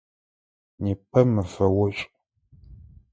Непэ мэфэ ошӏу.